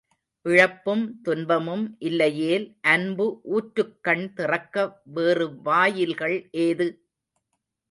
இழப்பும் துன்பமும் இல்லையேல் அன்பு ஊற்றுக்கண் திறக்க வேறு வாயில்கள் ஏது?